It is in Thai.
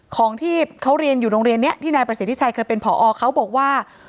ของที่เขาเรียนอยู่โรงเรียนนี้ที่นายประสิทธิชัยเคยเป็นผอเขาบอกว่า